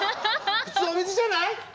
普通お水じゃない？